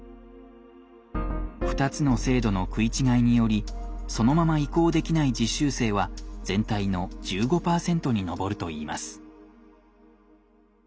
２つの制度の食い違いによりそのまま移行できない実習生は全体の１５％に上るといいます。